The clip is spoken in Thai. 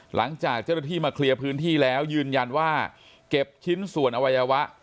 หลังจากเจ้าหน้าที่มาเคลียร์พื้นที่แล้วยืนยันว่าเก็บชิ้นส่วนอวัยวะ